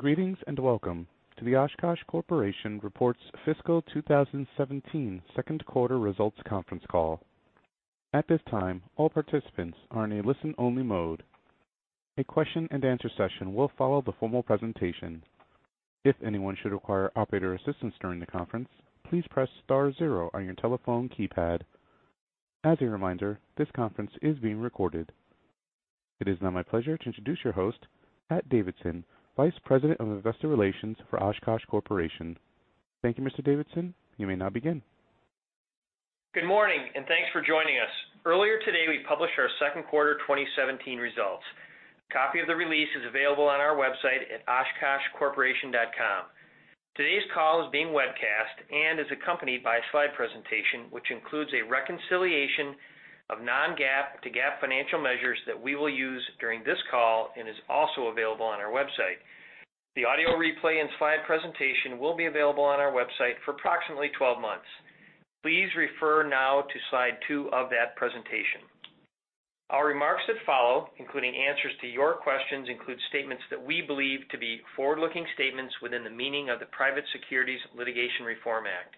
Greetings, and welcome to the Oshkosh Corporation Reports Fiscal 2017 Second Quarter Results Conference Call. At this time, all participants are in a listen-only mode. A question-and-answer session will follow the formal presentation. If anyone should require operator assistance during the conference, please press star zero on your telephone keypad. As a reminder, this conference is being recorded. It is now my pleasure to introduce your host, Pat Davidson, Vice President of Investor Relations for Oshkosh Corporation. Thank you, Mr. Davidson. You may now begin. Good morning, and thanks for joining us. Earlier today, we published our second quarter 2017 results. A copy of the release is available on our website at OshkoshCorporation.com. Today's call is being webcast and is accompanied by a slide presentation, which includes a reconciliation of non-GAAP to GAAP financial measures that we will use during this call and is also available on our website. The audio replay and slide presentation will be available on our website for approximately 12 months. Please refer now to slide 2 of that presentation. Our remarks that follow, including answers to your questions, include statements that we believe to be forward-looking statements within the meaning of the Private Securities Litigation Reform Act.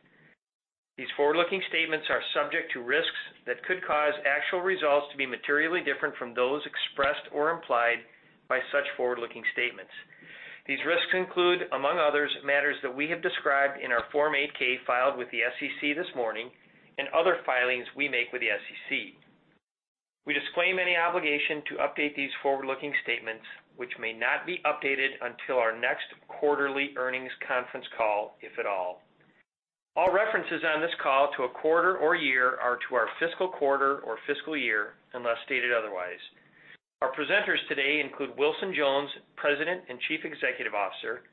These forward-looking statements are subject to risks that could cause actual results to be materially different from those expressed or implied by such forward-looking statements. These risks include, among others, matters that we have described in our Form 8-K filed with the SEC this morning and other filings we make with the SEC. We disclaim any obligation to update these forward-looking statements, which may not be updated until our next quarterly earnings conference call, if at all. All references on this call to a quarter or year are to our fiscal quarter or fiscal year, unless stated otherwise. Our presenters today include Wilson Jones, President and Chief Executive Officer,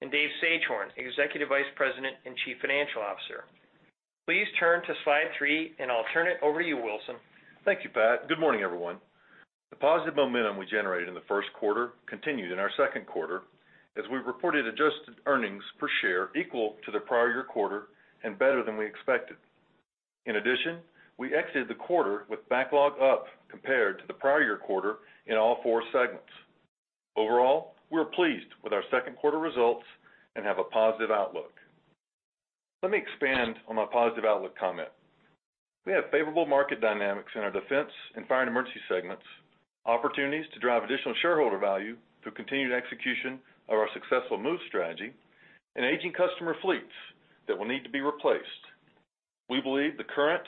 and Dave Sagehorn, Executive Vice President and Chief Financial Officer. Please turn to slide 3, and I'll turn it over to you, Wilson. Thank you, Pat. Good morning, everyone. The positive momentum we generated in the first quarter continued in our second quarter, as we reported adjusted earnings per share equal to the prior year quarter and better than we expected. In addition, we exited the quarter with backlog up compared to the prior year quarter in all four segments. Overall, we're pleased with our second quarter results and have a positive outlook. Let me expand on my positive outlook comment. We have favorable market dynamics in our defense and Fire & Emergency segments, opportunities to drive additional shareholder value through continued execution of our successful MOVE strategy, and aging customer fleets that will need to be replaced. We believe the current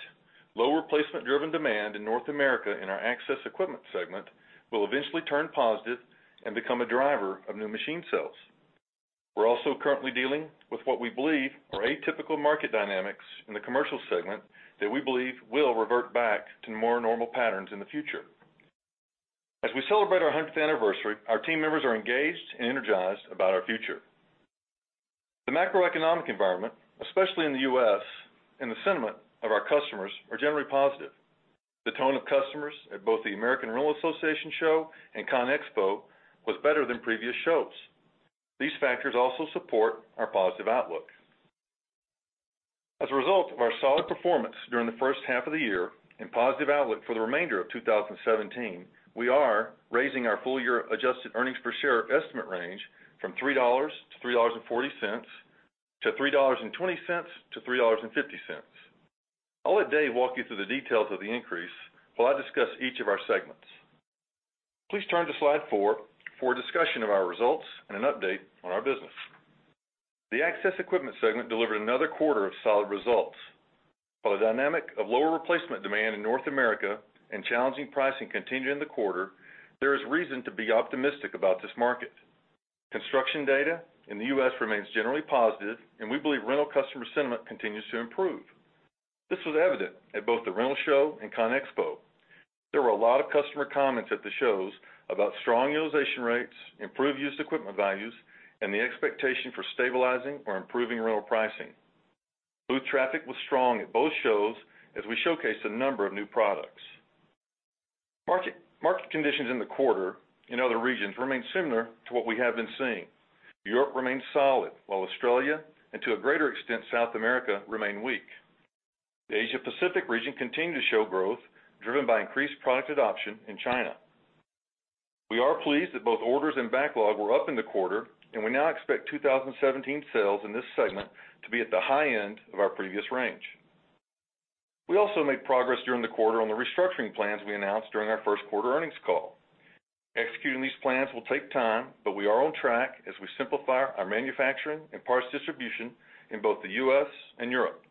low replacement-driven demand in North America in our access equipment segment will eventually turn positive and become a driver of new machine sales. We're also currently dealing with what we believe are atypical market dynamics in the Commercial segment that we believe will revert back to more normal patterns in the future. As we celebrate our hundredth anniversary, our team members are engaged and energized about our future. The macroeconomic environment, especially in the U.S., and the sentiment of our customers, are generally positive. The tone of customers at both the American Rental Association Show and CONEXPO was better than previous shows. These factors also support our positive outlook. As a result of our solid performance during the first half of the year and positive outlook for the remainder of 2017, we are raising our full year adjusted earnings per share estimate range from $3-$3.40 to $3.20-$3.50. I'll let Dave walk you through the details of the increase, while I discuss each of our segments. Please turn to slide four for a discussion of our results and an update on our business. The Access Equipment segment delivered another quarter of solid results. While the dynamic of lower replacement demand in North America and challenging pricing continued in the quarter, there is reason to be optimistic about this market. Construction data in the U.S. remains generally positive, and we believe rental customer sentiment continues to improve. This was evident at both the Rental Show and CONEXPO. There were a lot of customer comments at the shows about strong utilization rates, improved used equipment values, and the expectation for stabilizing or improving rental pricing. Booth traffic was strong at both shows as we showcased a number of new products. Market conditions in the quarter in other regions remain similar to what we have been seeing. Europe remains solid, while Australia, and to a greater extent, South America, remain weak. The Asia Pacific region continued to show growth, driven by increased product adoption in China. We are pleased that both orders and backlog were up in the quarter, and we now expect 2017 sales in this segment to be at the high end of our previous range. We also made progress during the quarter on the restructuring plans we announced during our first quarter earnings call. Executing these plans will take time, but we are on track as we simplify our manufacturing and parts distribution in both the U.S. and Europe.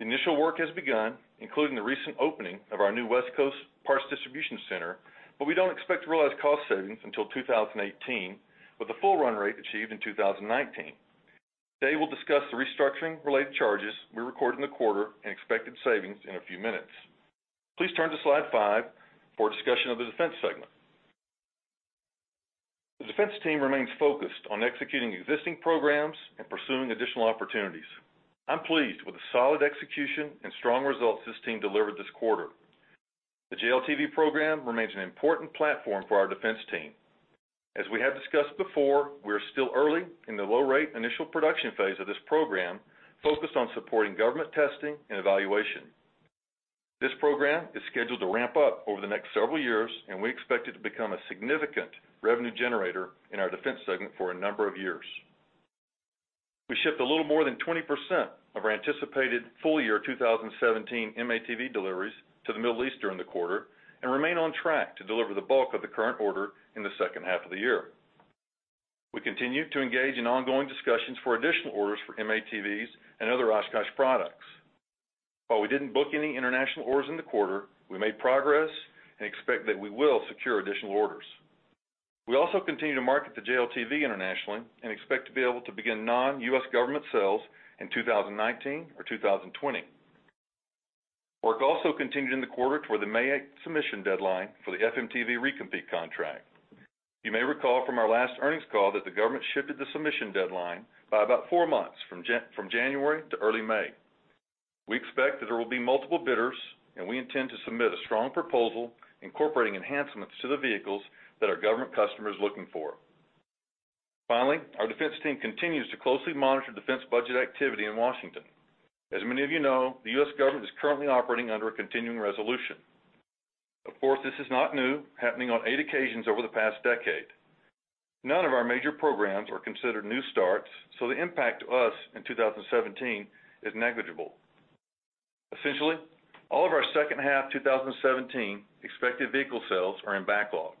Initial work has begun, including the recent opening of our new West Coast Parts Distribution Center, but we don't expect to realize cost savings until 2018, with the full run rate achieved in 2019. Dave will discuss the restructuring-related charges we recorded in the quarter and expected savings in a few minutes. Please turn to slide 5 for a discussion of the Defense segment. The Defense team remains focused on executing existing programs and pursuing additional opportunities. I'm pleased with the solid execution and strong results this team delivered this quarter. The JLTV program remains an important platform for our Defense team. As we have discussed before, we are still early in the low-rate initial production phase of this program, focused on supporting government testing and evaluation.... This program is scheduled to ramp up over the next several years, and we expect it to become a significant revenue generator in our Defense segment for a number of years. We shipped a little more than 20% of our anticipated full year 2017 M-ATV deliveries to the Middle East during the quarter, and remain on track to deliver the bulk of the current order in the second half of the year. We continue to engage in ongoing discussions for additional orders for M-ATVs and other Oshkosh products. While we didn't book any international orders in the quarter, we made progress and expect that we will secure additional orders. We also continue to market the JLTV internationally and expect to be able to begin non-U.S. government sales in 2019 or 2020. Work also continued in the quarter toward the May 8 submission deadline for the FMTV recompete contract. You may recall from our last earnings call that the government shifted the submission deadline by about four months, from January to early May. We expect that there will be multiple bidders, and we intend to submit a strong proposal incorporating enhancements to the vehicles that our government customer is looking for. Finally, our Defense team continues to closely monitor Defense budget activity in Washington. As many of you know, the U.S. government is currently operating under a continuing resolution. Of course, this is not new, happening on 8 occasions over the past decade. None of our major programs are considered new starts, so the impact to us in 2017 is negligible. Essentially, all of our second half 2017 expected vehicle sales are in backlog,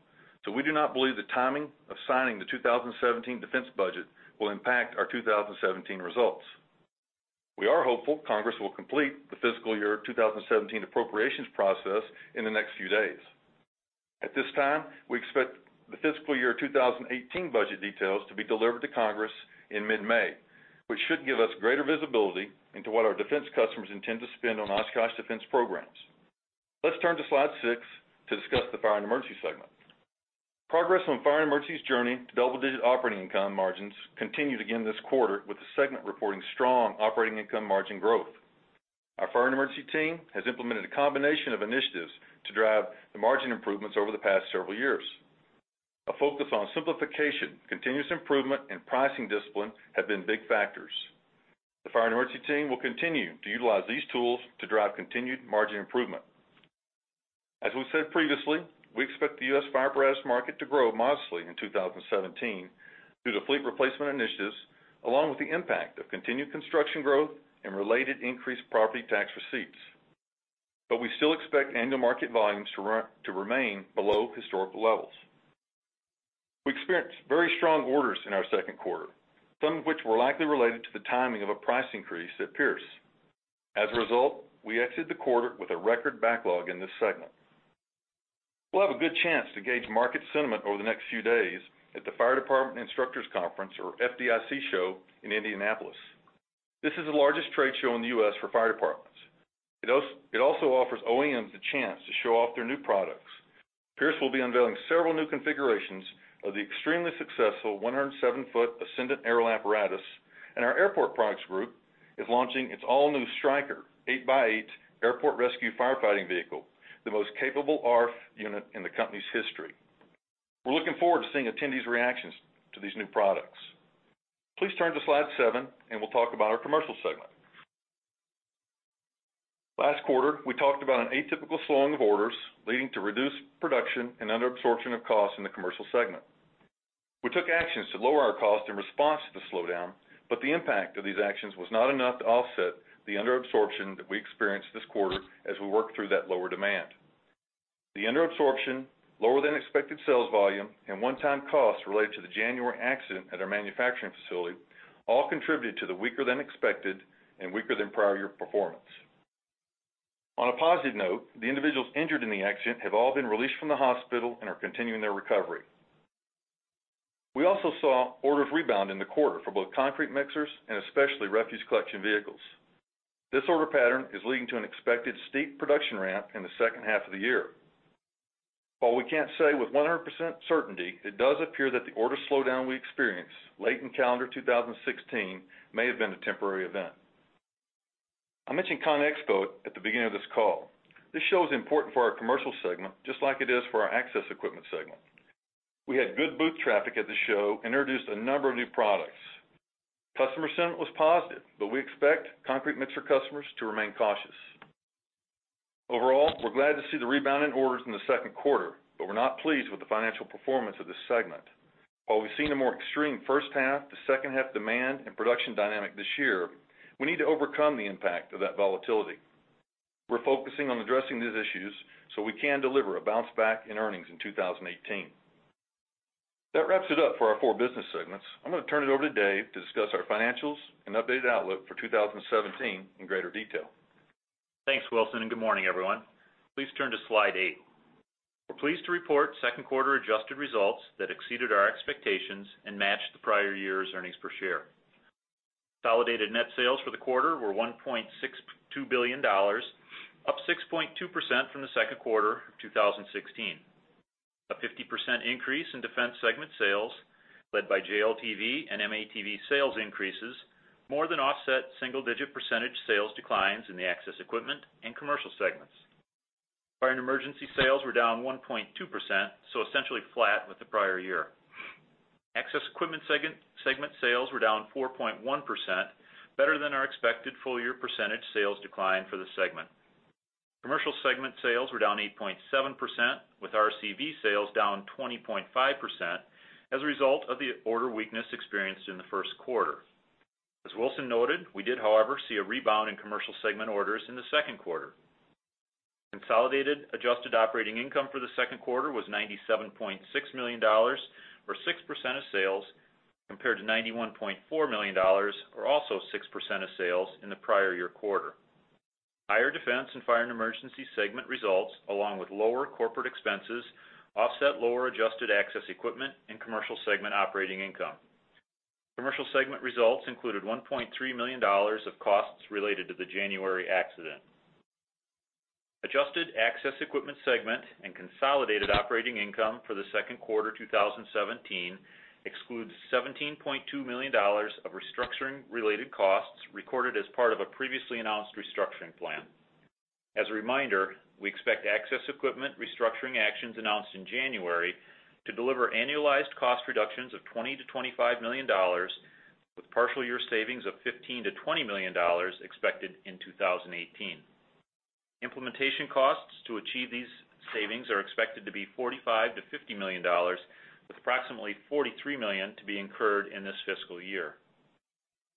so we do not believe the timing of signing the 2017 Defense budget will impact our 2017 results. We are hopeful Congress will complete the fiscal year 2017 appropriations process in the next few days. At this time, we expect the fiscal year 2018 budget details to be delivered to Congress in mid-May, which should give us greater visibility into what our Defense customers intend to spend on Oshkosh Defense programs. Let's turn to slide 6 to discuss the Fire & Emergency segment. Progress on Fire & Emergency's journey to double-digit operating income margins continued again this quarter, with the segment reporting strong operating income margin growth. Our Fire & Emergency team has implemented a combination of initiatives to drive the margin improvements over the past several years. A focus on simplification, continuous improvement, and pricing discipline have been big factors. The Fire & Emergency team will continue to utilize these tools to drive continued margin improvement. As we've said previously, we expect the U.S. fire apparatus market to grow modestly in 2017 due to fleet replacement initiatives, along with the impact of continued construction growth and related increased property tax receipts. But we still expect end of market volumes to remain below historical levels. We experienced very strong orders in our second quarter, some of which were likely related to the timing of a price increase at Pierce. As a result, we exited the quarter with a record backlog in this segment. We'll have a good chance to gauge market sentiment over the next few days at the Fire Department Instructors Conference, or FDIC Show, in Indianapolis. This is the largest trade show in the U.S. for fire departments. It also offers OEMs the chance to show off their new products. Pierce will be unveiling several new configurations of the extremely successful 107-foot Ascendant aerial apparatus, and our Airport Products Group is launching its all-new Striker 8x8 airport rescue firefighting vehicle, the most capable ARFF unit in the company's history. We're looking forward to seeing attendees' reactions to these new products. Please turn to slide 7, and we'll talk about our Commercial segment. Last quarter, we talked about an atypical slowing of orders, leading to reduced production and underabsorption of costs in the Commercial segment. We took actions to lower our cost in response to the slowdown, but the impact of these actions was not enough to offset the underabsorption that we experienced this quarter as we worked through that lower demand. The underabsorption, lower-than-expected sales volume, and one-time costs related to the January accident at our manufacturing facility all contributed to the weaker-than-expected and weaker-than-prior year performance. On a positive note, the individuals injured in the accident have all been released from the hospital and are continuing their recovery. We also saw orders rebound in the quarter for both concrete mixers and especially refuse collection vehicles. This order pattern is leading to an expected steep production ramp in the second half of the year. While we can't say with 100% certainty, it does appear that the order slowdown we experienced late in calendar 2016 may have been a temporary event. I mentioned CONEXPO at the beginning of this call. This show is important for our Commercial segment, just like it is for our Access Equipment segment. We had good booth traffic at the show and introduced a number of new products. Customer sentiment was positive, but we expect concrete mixer customers to remain cautious. Overall, we're glad to see the rebound in orders in the second quarter, but we're not pleased with the financial performance of this segment. While we've seen a more extreme first half to second half demand and production dynamic this year, we need to overcome the impact of that volatility. We're focusing on addressing these issues so we can deliver a bounce back in earnings in 2018. That wraps it up for our four business segments. I'm going to turn it over to Dave to discuss our financials and updated outlook for 2017 in greater detail. Thanks, Wilson, and good morning, everyone. Please turn to slide 8. We're pleased to report second quarter adjusted results that exceeded our expectations and matched the prior year's earnings per share. Consolidated net sales for the quarter were $1.62 billion, up 6.2% from the second quarter of 2016. A 50% increase in Defense segment sales, led by JLTV and M-ATV sales increases, more than offset single-digit percentage sales declines in the Access Equipment and Commercial segments. Fire & Emergency sales were down 1.2%, so essentially flat with the prior year.... Access Equipment segment, segment sales were down 4.1%, better than our expected full year percentage sales decline for the segment. Commercial segment sales were down 8.7%, with RCV sales down 20.5%, as a result of the order weakness experienced in the first quarter. As Wilson noted, we did, however, see a rebound in Commercial segment orders in the second quarter. Consolidated adjusted operating income for the second quarter was $97.6 million, or 6% of sales, compared to $91.4 million, or also 6% of sales, in the prior year quarter. Higher Defense and Fire & Emergency segment results, along with lower corporate expenses, offset lower adjusted access equipment and Commercial segment operating income. Commercial segment results included $1.3 million of costs related to the January accident. Adjusted Access Equipment segment and consolidated operating income for the second quarter 2017 excludes $17.2 million of restructuring-related costs recorded as part of a previously announced restructuring plan. As a reminder, we expect Access Equipment restructuring actions announced in January to deliver annualized cost reductions of $20-$25 million, with partial year savings of $15-$20 million expected in 2018. Implementation costs to achieve these savings are expected to be $45-$50 million, with approximately $43 million to be incurred in this fiscal year.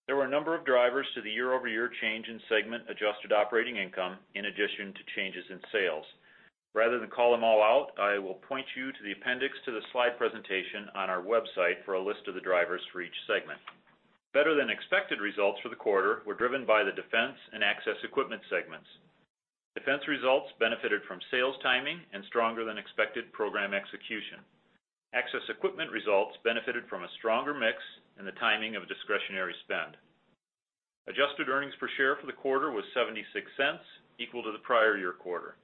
There were a number of drivers to the year-over-year change in segment adjusted operating income, in addition to changes in sales. Rather than call them all out, I will point you to the appendix to the slide presentation on our website for a list of the drivers for each segment. Better than expected results for the quarter were driven by the Defense and Access Equipment segments. Defense results benefited from sales timing and stronger than expected program execution. Access equipment results benefited from a stronger mix and the timing of discretionary spend. Adjusted Earnings Per Share for the quarter was $0.76, equal to the prior year quarter.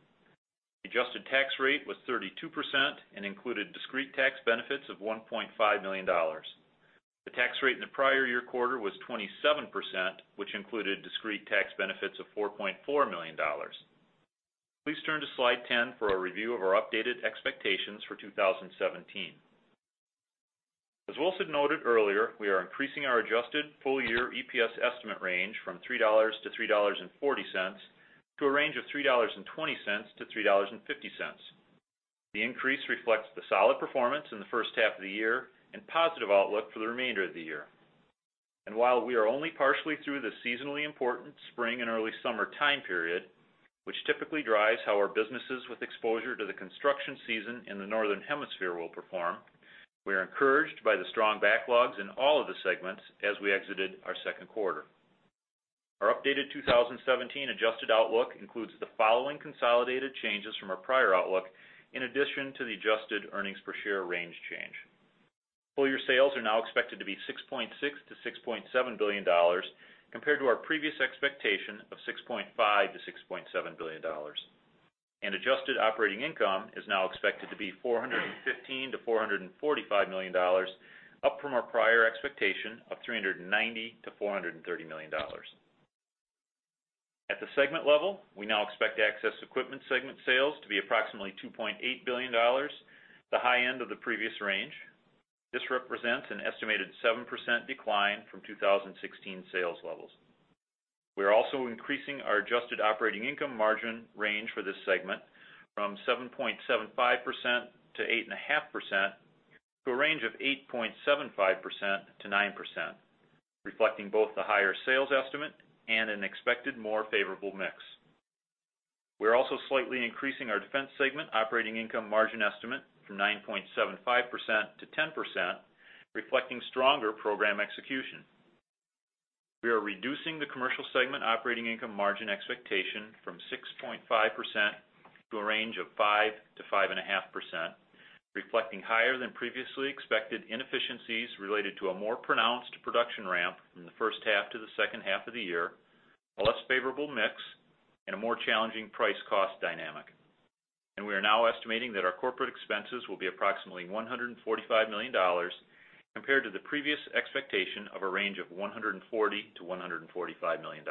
Adjusted tax rate was 32% and included Discrete Tax Benefits of $1.5 million. The tax rate in the prior year quarter was 27%, which included Discrete Tax Benefits of $4.4 million. Please turn to slide 10 for a review of our updated expectations for 2017. As Wilson noted earlier, we are increasing our adjusted full-year EPS estimate range from $3 to $3.40, to a range of $3.20 to $3.50. The increase reflects the solid performance in the first half of the year and positive outlook for the remainder of the year. While we are only partially through the seasonally important spring and early summer time period, which typically drives how our businesses with exposure to the construction season in the Northern Hemisphere will perform, we are encouraged by the strong backlogs in all of the segments as we exited our second quarter. Our updated 2017 adjusted outlook includes the following consolidated changes from our prior outlook, in addition to the adjusted earnings per share range change. Full year sales are now expected to be $6.6 billion-$6.7 billion, compared to our previous expectation of $6.5 billion-$6.7 billion. Adjusted operating income is now expected to be $415 million-$445 million, up from our prior expectation of $390 million-$430 million. At the segment level, we now expect Access Equipment segment sales to be approximately $2.8 billion, the high end of the previous range. This represents an estimated 7% decline from 2016 sales levels. We are also increasing our Adjusted Operating Income margin range for this segment from 7.75% to 8.5%, to a range of 8.75%-9%, reflecting both the higher sales estimate and an expected more favorable mix. We're also slightly increasing our Defense segment operating income margin estimate from 9.75% to 10%, reflecting stronger program execution. We are reducing the Commercial segment operating income margin expectation from 6.5% to a range of 5%-5.5%, reflecting higher than previously expected inefficiencies related to a more pronounced production ramp from the first half to the second half of the year, a less favorable mix, and a more challenging price cost dynamic. We are now estimating that our corporate expenses will be approximately $145 million, compared to the previous expectation of a range of $140-$145 million.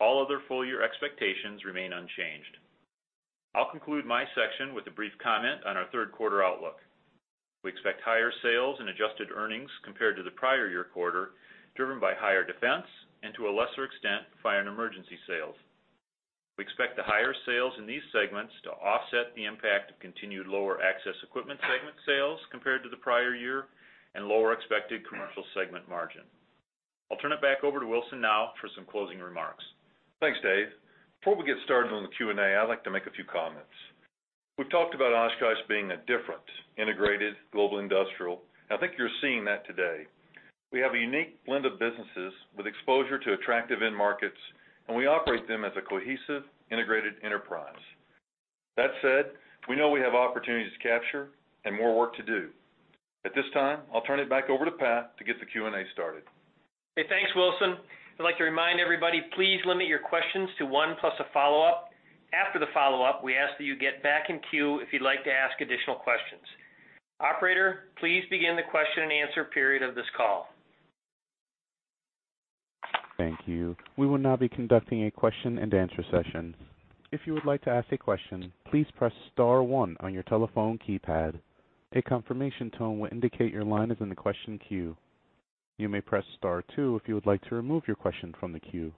All other full year expectations remain unchanged. I'll conclude my section with a brief comment on our third quarter outlook. We expect higher sales and adjusted earnings compared to the prior year quarter, driven by higher Defense and, to a lesser extent, Fire & Emergency sales. We expect the higher sales in these segments to offset the impact of continued lower access equipment segment sales compared to the prior year, and lower expected Commercial segment margin. I'll turn it back over to Wilson now for some closing remarks. Thanks, Dave. Before we get started on the Q&A, I'd like to make a few comments. We've talked about Oshkosh being a different integrated global industrial, and I think you're seeing that today. We have a unique blend of businesses with exposure to attractive end markets, and we operate them as a cohesive, integrated enterprise. That said, we know we have opportunities to capture and more work to do. At this time, I'll turn it back over to Pat to get the Q&A started. Hey, thanks, Wilson. I'd like to remind everybody, please limit your questions to one plus a follow-up. After the follow-up, we ask that you get back in queue if you'd like to ask additional questions. Operator, please begin the question and answer period of this call. ...Thank you. We will now be conducting a question-and-answer session. If you would like to ask a question, please press star one on your telephone keypad. A confirmation tone will indicate your line is in the question queue. You may press star two if you would like to remove your question from the queue.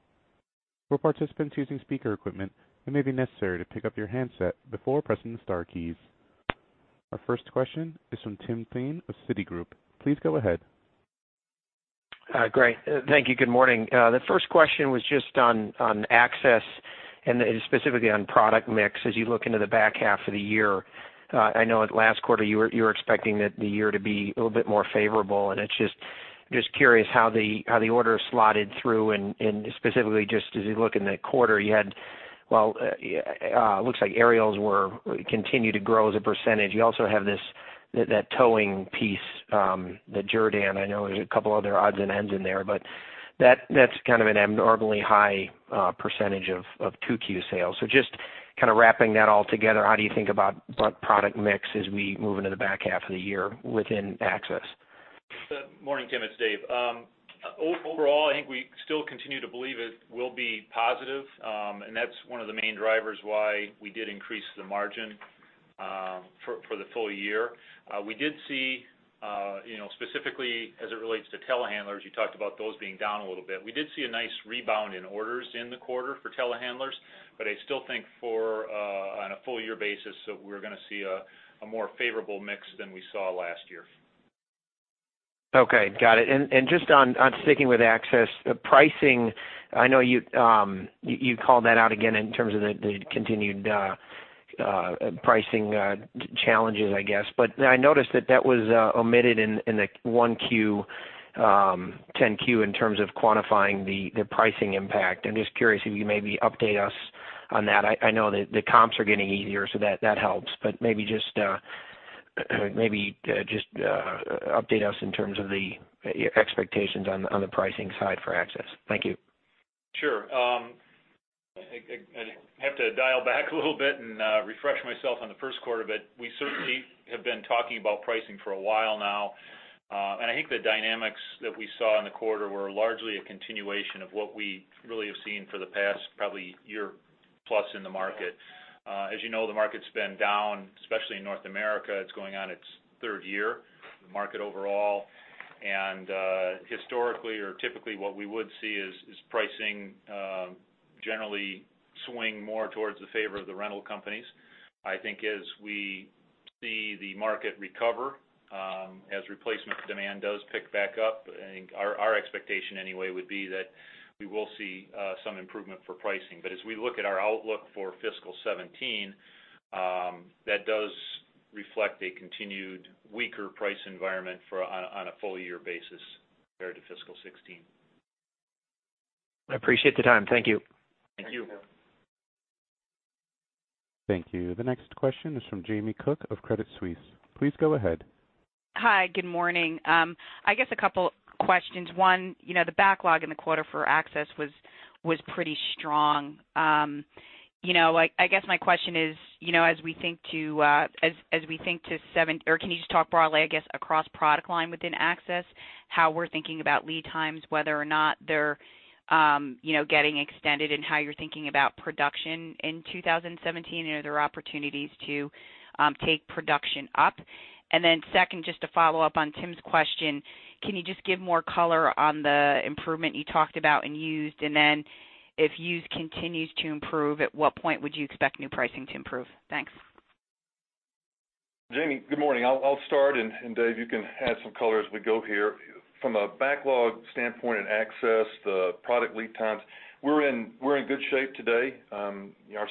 For participants using speaker equipment, it may be necessary to pick up your handset before pressing the star keys. Our first question is from Tim Thein of Citigroup. Please go ahead. Great, thank you. Good morning. The first question was just on, on Access and specifically on product mix as you look into the back half of the year. I know at last quarter, you were, you were expecting that the year to be a little bit more favorable, and it's just, just curious how the, how the order is slotted through and, and specifically, just as you look in the quarter you had, well, it looks like aerials were, continue to grow as a percentage. You also have this, that towing piece, the Jerr-Dan. I know there's a couple other odds and ends in there, but that, that's kind of an abnormally high, percentage of, of 2Q sales. So just kind of wrapping that all together, how do you think about product mix as we move into the back half of the year within Access? Good morning, Tim, it's Dave. Overall, I think we still continue to believe it will be positive, and that's one of the main drivers why we did increase the margin for the full year. We did see, you know, specifically as it relates to telehandlers, you talked about those being down a little bit. We did see a nice rebound in orders in the quarter for telehandlers, but I still think for on a full year basis, that we're gonna see a more favorable mix than we saw last year. Okay, got it. And just on sticking with Access, the pricing, I know you called that out again in terms of the continued pricing challenges, I guess. But I noticed that that was omitted in the 10-Q in terms of quantifying the pricing impact. I'm just curious if you could maybe update us on that. I know that the comps are getting easier, so that helps, but maybe just update us in terms of the expectations on the pricing side for Access. Thank you. Sure. I have to dial back a little bit and refresh myself on the first quarter, but we certainly have been talking about pricing for a while now. And I think the dynamics that we saw in the quarter were largely a continuation of what we really have seen for the past, probably year plus in the market. As you know, the market's been down, especially in North America, it's going on its third year, the market overall. And historically or typically, what we would see is pricing generally swing more towards the favor of the rental companies. I think as we see the market recover, as replacement demand does pick back up, I think our expectation anyway would be that we will see some improvement for pricing. But as we look at our outlook for fiscal 2017, that does reflect a continued weaker price environment for on a full year basis compared to fiscal 2016. I appreciate the time. Thank you. Thank you. Thank you. The next question is from Jamie Cook of Credit Suisse. Please go ahead. Hi, good morning. I guess a couple questions. One, you know, the backlog in the quarter for Access was pretty strong. You know, I guess my question is, you know, can you just talk broadly, I guess, across product line within Access, how we're thinking about lead times, whether or not they're, you know, getting extended and how you're thinking about production in 2017, are there opportunities to take production up? And then second, just to follow up on Tim's question, can you just give more color on the improvement you talked about in used? And then if used continues to improve, at what point would you expect new pricing to improve? Thanks. Jamie, good morning. I'll start, and Dave, you can add some color as we go here. From a backlog standpoint and Access, the product lead times, we're in good shape today. Our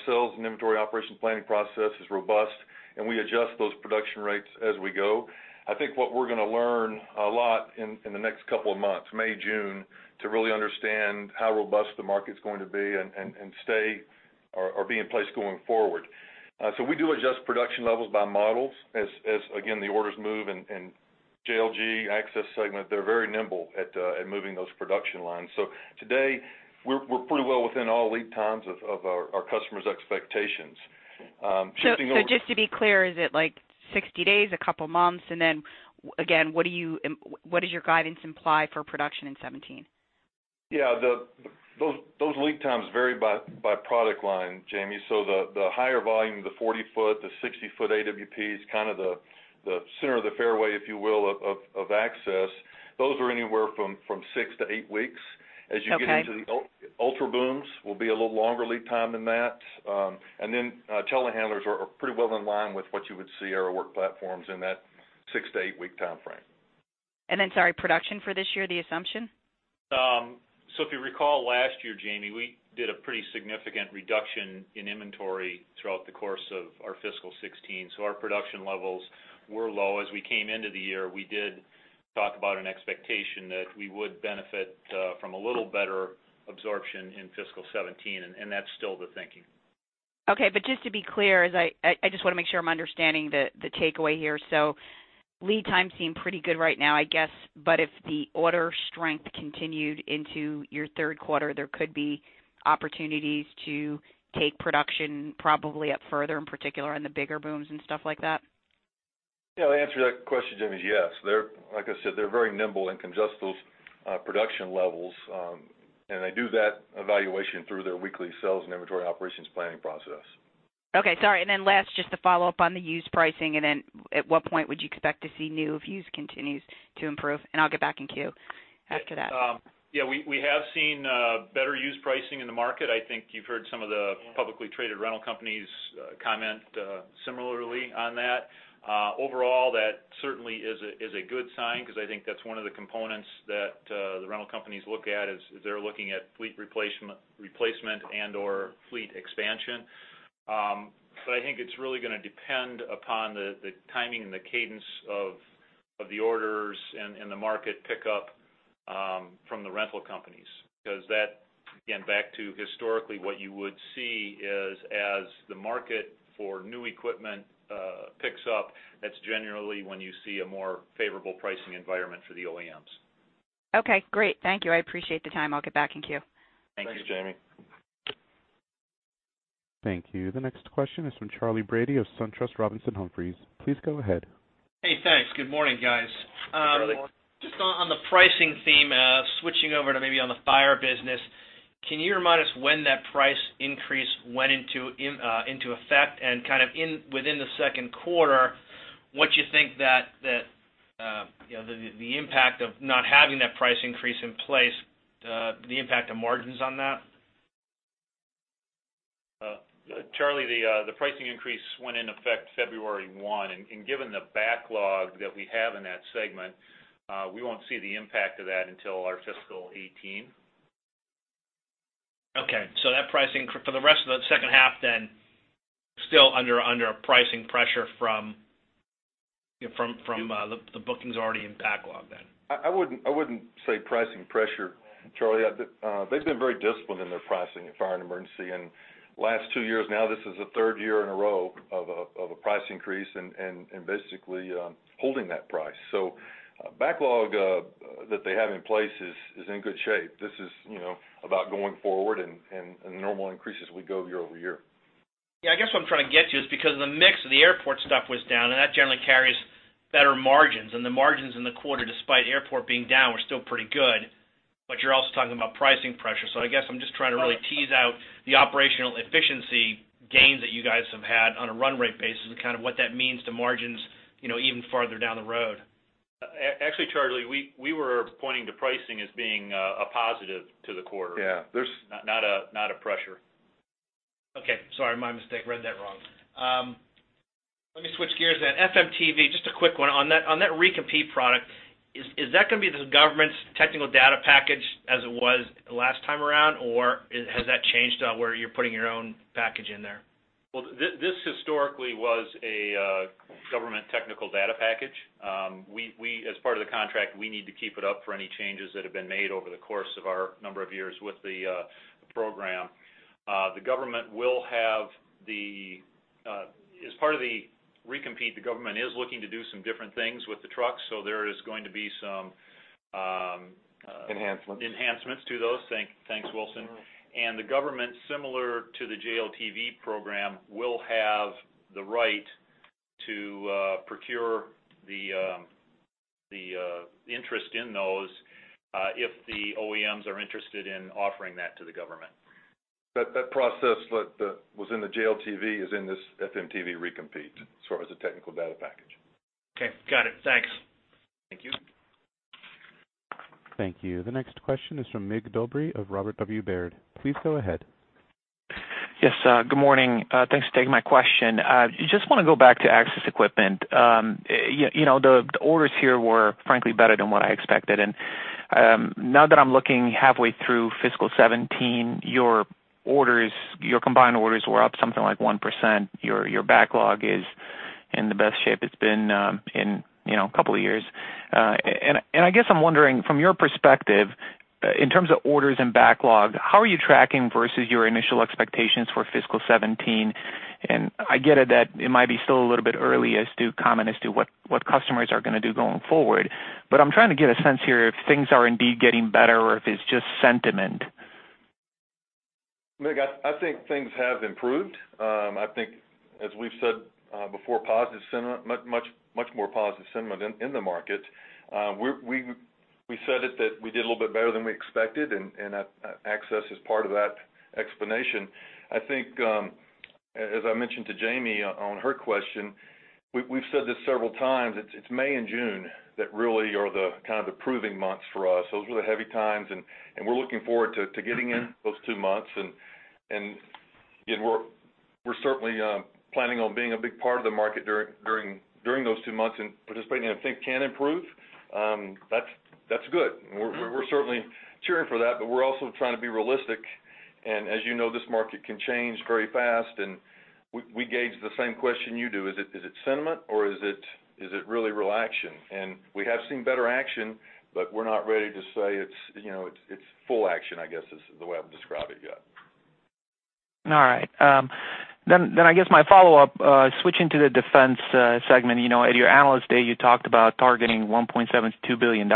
sales and inventory operations planning process is robust, and we adjust those production rates as we go. I think what we're gonna learn a lot in the next couple of months, May, June, to really understand how robust the market's going to be and stay or be in place going forward. So we do adjust production levels by models as again the orders move and JLG Access segment, they're very nimble at moving those production lines. So today we're pretty well within all lead times of our customers' expectations. So, just to be clear, is it like 60 days, a couple of months? And then again, what does your guidance imply for production in 2017? Yeah, those lead times vary by product line, Jamie. So the higher volume, the 40-foot, the 60-foot AWPs, kind of the center of the fairway, if you will, of Access. Those are anywhere from 6-8 weeks. Okay. As you get into the ultra booms, will be a little longer lead time than that. And then, telehandlers are pretty well in line with what you would see our work platforms in that 6-8-week time frame. And then, sorry, production for this year, the assumption? So if you recall, last year, Jamie, we did a pretty significant reduction in inventory throughout the course of our fiscal 2016, so our production levels were low. As we came into the year, we did talk about an expectation that we would benefit from a little better absorption in fiscal 2017, and that's still the thinking. Okay, but just to be clear, as I just want to make sure I'm understanding the takeaway here. So lead times seem pretty good right now, I guess, but if the order strength continued into your third quarter, there could be opportunities to take production probably up further, in particular in the bigger booms and stuff like that? ... Yeah, the answer to that question, Jamie, is yes. They're, like I said, they're very nimble and can adjust those production levels, and they do that evaluation through their weekly sales and inventory operations planning process. Okay, sorry. And then last, just to follow up on the used pricing, and then at what point would you expect to see new if used continues to improve? And I'll get back in queue after that. Yeah, we have seen better used pricing in the market. I think you've heard some of the publicly traded rental companies comment similarly on that. Overall, that certainly is a good sign because I think that's one of the components that the rental companies look at as they're looking at fleet replacement and/or fleet expansion. So I think it's really gonna depend upon the timing and the cadence of the orders and the market pickup from the rental companies. Because that, again, back to historically, what you would see is, as the market for new equipment picks up, that's generally when you see a more favorable pricing environment for the OEMs. Okay, great. Thank you. I appreciate the time. I'll get back in queue. Thank you. Thanks, Jamie. Thank you. The next question is from Charlie Brady of SunTrust Robinson Humphrey. Please go ahead. Hey, thanks. Good morning, guys. Good morning. Just on the pricing theme, switching over to maybe the fire business, can you remind us when that price increase went into effect? And kind of within the second quarter, what you think that you know the impact of not having that price increase in place, the impact of margins on that? Charlie, the pricing increase went in effect February one, and given the backlog that we have in that segment, we won't see the impact of that until our fiscal 2018. Okay, so that pricing for the rest of the second half then, still under a pricing pressure from the bookings already in backlog then. I wouldn't say pricing pressure, Charlie. They've been very disciplined in their pricing in Fire & Emergency, and last two years now, this is the third year in a row of a price increase and basically holding that price. So backlog that they have in place is in good shape. This is, you know, about going forward and normal increases as we go year over year. Yeah, I guess what I'm trying to get to is because the mix of the airport stuff was down, and that generally carries better margins, and the margins in the quarter, despite airport being down, were still pretty good. But you're also talking about pricing pressure. So I guess I'm just trying to really tease out the operational efficiency gains that you guys have had on a run rate basis, and kind of what that means to margins, you know, even farther down the road. Actually, Charlie, we were pointing to pricing as being a positive to the quarter. Yeah, there's- Not a pressure. Okay, sorry, my mistake. Read that wrong. Let me switch gears then. FMTV, just a quick one on that, on that recompete product, is that gonna be the government's technical data package as it was last time around, or has that changed, where you're putting your own package in there? Well, this historically was a government technical data package. As part of the contract, we need to keep it up for any changes that have been made over the course of our number of years with the program. As part of the recompete, the government is looking to do some different things with the trucks, so there is going to be some- Enhancements... enhancements to those. Thanks, Wilson. And the government, similar to the JLTV program, will have the right to procure the interest in those if the OEMs are interested in offering that to the government. That process that was in the JLTV is in this FMTV recompete as far as the technical data package. Okay, got it. Thanks. Thank you. Thank you. The next question is from Mig Dobre of Robert W. Baird. Please go ahead. Yes, good morning. Thanks for taking my question. I just want to go back to Access Equipment. You know, the orders here were, frankly, better than what I expected. And now that I'm looking halfway through fiscal 2017, your orders, your combined orders were up something like 1%. Your backlog is in the best shape it's been in, you know, a couple of years. And I guess I'm wondering, from your perspective, in terms of orders and backlog, how are you tracking versus your initial expectations for fiscal 2017? And I get it that it might be still a little bit early as to comment as to what customers are gonna do going forward, but I'm trying to get a sense here if things are indeed getting better or if it's just sentiment. Mig, I think things have improved. I think, as we've said, before, positive sentiment, much more positive sentiment in the market. We said it that we did a little bit better than we expected, and, Access is part of that explanation. I think, as I mentioned to Jamie on her question, we've said this several times, it's May and June that really are the kind of the proving months for us. Those are the heavy times, and we're looking forward to getting in those two months. And again, we're certainly planning on being a big part of the market during those two months and participating, and if things can improve, that's good. We're certainly cheering for that, but we're also trying to be realistic. As you know, this market can change very fast, and we gauge the same question you do. Is it sentiment, or is it really real action? We have seen better action, but we're not ready to say it's, you know, full action, I guess, is the way I'd describe it yet. All right. Then I guess my follow-up, switching to the Defense segment. You know, at your Analyst Day, you talked about targeting $1.72 billion....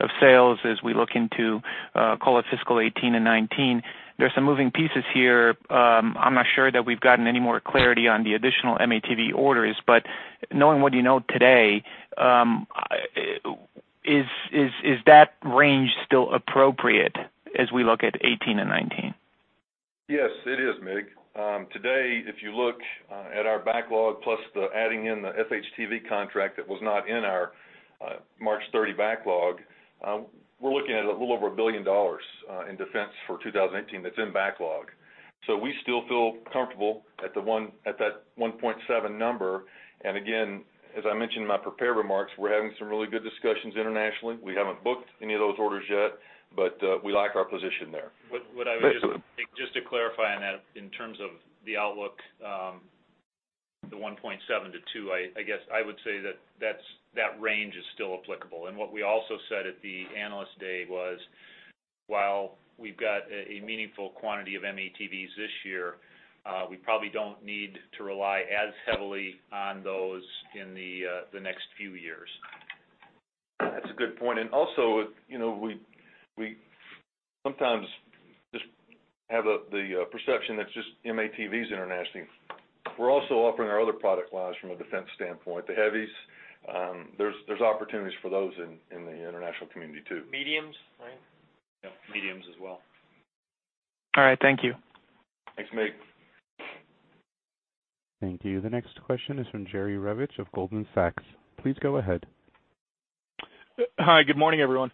of sales as we look into, call it fiscal 2018 and 2019. There are some moving pieces here. I'm not sure that we've gotten any more clarity on the additional M-ATV orders, but knowing what you know today, is that range still appropriate as we look at 2018 and 2019? Yes, it is, Mig. Today, if you look at our backlog, plus the adding in the FHTV contract that was not in our March 30 backlog, we're looking at a little over $1 billion in Defense for 2018, that's in backlog. So we still feel comfortable at that 1.7 number. And again, as I mentioned in my prepared remarks, we're having some really good discussions internationally. We haven't booked any of those orders yet, but we like our position there. What I would just- Thanks. Just to clarify on that, in terms of the outlook, the 1.7-2, I guess I would say that that's, that range is still applicable. And what we also said at the Analyst Day was, while we've got a meaningful quantity of M-ATVs this year, we probably don't need to rely as heavily on those in the next few years. That's a good point. And also, you know, we sometimes just have the perception that's just M-ATVs internationally. We're also offering our other product lines from a Defense standpoint, the heavies. There's opportunities for those in the international community, too. Mediums, right? Yeah, mediums as well. All right. Thank you. Thanks, Mig. Thank you. The next question is from Jerry Revich of Goldman Sachs. Please go ahead. Hi, good morning, everyone.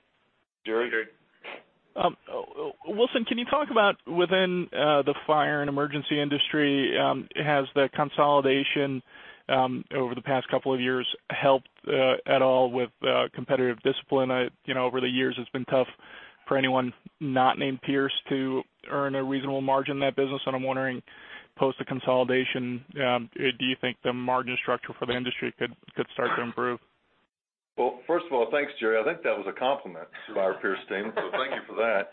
Jerry. Jerry. Wilson, can you talk about within the Fire & Emergency industry, has the consolidation over the past couple of years helped at all with competitive discipline? You know, over the years, it's been tough for anyone not named Pierce to earn a reasonable margin in that business, and I'm wondering, post the consolidation, do you think the margin structure for the industry could start to improve? Well, first of all, thanks, Jerry. I think that was a compliment to our Pierce team, so thank you for that.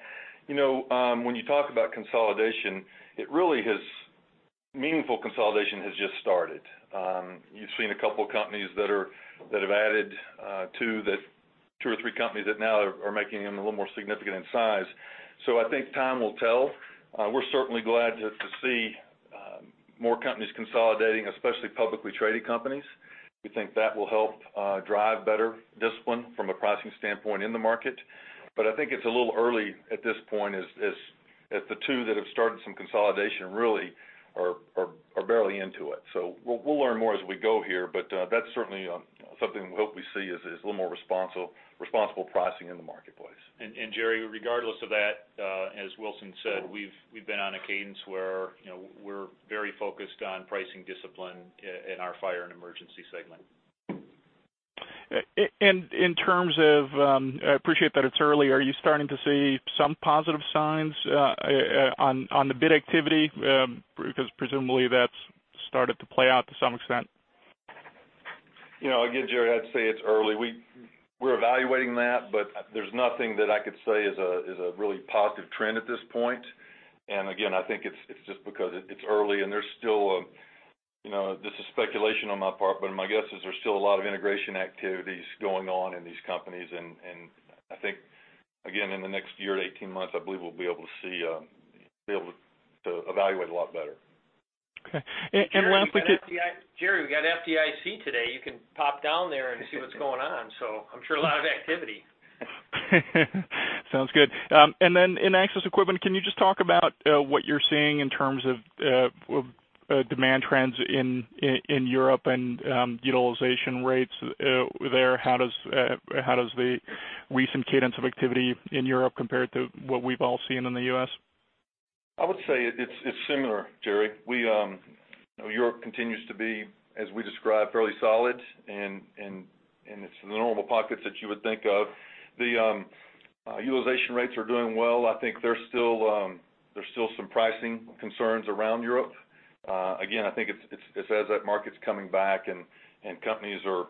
You know, when you talk about consolidation, it really has. Meaningful consolidation has just started. You've seen a couple of companies that have added two or three companies that now are making them a little more significant in size. So I think time will tell. We're certainly glad to see more companies consolidating, especially publicly traded companies. We think that will help drive better discipline from a pricing standpoint in the market. But I think it's a little early at this point, as the two that have started some consolidation really are barely into it. We'll learn more as we go here, but that's certainly something we hope we see is a little more responsible pricing in the marketplace. And Jerry, regardless of that, as Wilson said, we've been on a cadence where, you know, we're very focused on pricing discipline in our Fire & Emergency segment. And in terms of, I appreciate that it's early, are you starting to see some positive signs on the bid activity? Because presumably, that's started to play out to some extent. You know, again, Jerry, I'd say it's early. We're evaluating that, but there's nothing that I could say is a really positive trend at this point. And again, I think it's just because it's early and there's still a, you know, this is speculation on my part, but my guess is there's still a lot of integration activities going on in these companies. And I think, again, in the next year to 18 months, I believe we'll be able to see, be able to evaluate a lot better. Okay. And last I could- Jerry, we got FDIC today. You can pop down there and see what's going on. So I'm sure a lot of activity. Sounds good. And then in access equipment, can you just talk about what you're seeing in terms of demand trends in Europe and utilization rates there? How does the recent cadence of activity in Europe compare to what we've all seen in the U.S.? I would say it's similar, Jerry. We, you know, Europe continues to be, as we described, fairly solid, and it's the normal pockets that you would think of. The utilization rates are doing well. I think there's still, there's still some pricing concerns around Europe. Again, I think it's, as that market's coming back and companies are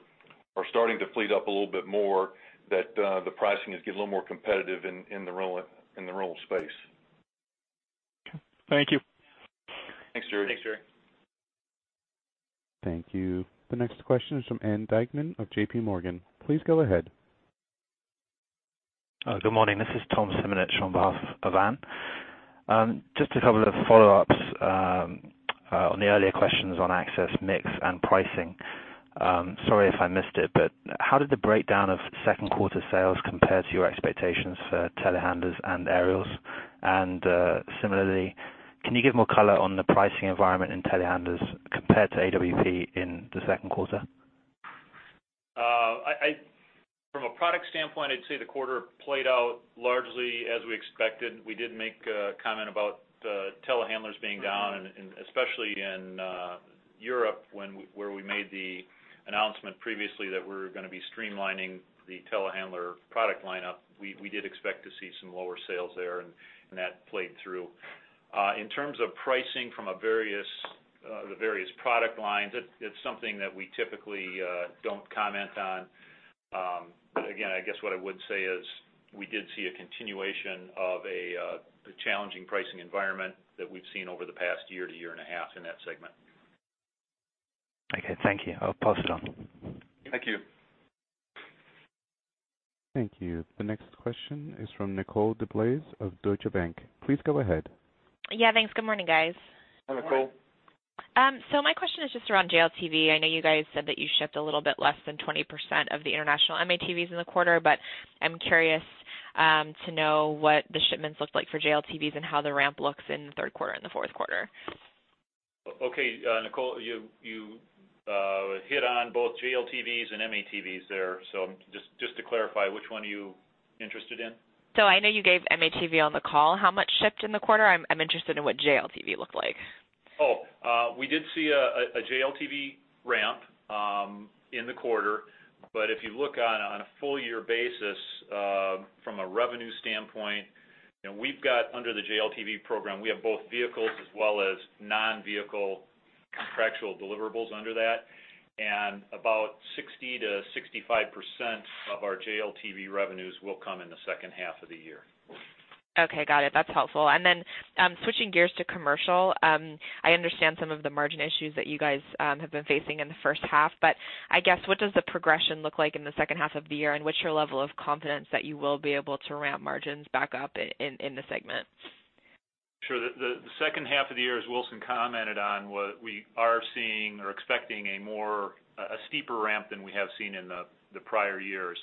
starting to fleet up a little bit more, that the pricing is getting a little more competitive in the rental space. Thank you. Thanks, Jerry. Thanks, Jerry. Thank you. The next question is from Ann Duignan of J.P. Morgan. Please go ahead. Good morning. This is Tom Simonitsch on behalf of Ann. Just a couple of follow-ups on the earlier questions on access, mix, and pricing. Sorry if I missed it, but how did the breakdown of second quarter sales compare to your expectations for telehandlers and aerials? And, similarly, can you give more color on the pricing environment in telehandlers compared to AWP in the second quarter? I, from a product standpoint, I'd say the quarter played out largely as we expected. We did make a comment about telehandlers being down, and especially in Europe, when where we made the announcement previously that we were gonna be streamlining the telehandler product lineup. We did expect to see some lower sales there, and that played through. In terms of pricing from a various the various product lines, it's something that we typically don't comment on. But again, I guess what I would say is, we did see a continuation of a the challenging pricing environment that we've seen over the past year to year and a half in that segment.... Okay, thank you. I'll pass it on. Thank you. Thank you. The next question is from Nicole DeBlase of Deutsche Bank. Please go ahead. Yeah, thanks. Good morning, guys. Hi, Nicole. My question is just around JLTV. I know you guys said that you shipped a little bit less than 20% of the international M-ATVs in the quarter, but I'm curious to know what the shipments looked like for JLTVs and how the ramp looks in the third quarter and the fourth quarter. Okay, Nicole, you hit on both JLTVs and M-ATVs there. So just to clarify, which one are you interested in? So I know you gave M-ATV on the call, how much shipped in the quarter? I'm interested in what JLTV looked like. We did see a JLTV ramp in the quarter. But if you look on a full year basis, from a revenue standpoint, and we've got under the JLTV program, we have both vehicles as well as non-vehicle contractual deliverables under that. And about 60%-65% of our JLTV revenues will come in the second half of the year. Okay, got it. That's helpful. And then, switching gears to Commercial, I understand some of the margin issues that you guys have been facing in the first half, but I guess, what does the progression look like in the second half of the year? And what's your level of confidence that you will be able to ramp margins back up in the segment? Sure. The second half of the year, as Wilson commented on, what we are seeing or expecting a more, a steeper ramp than we have seen in the prior years.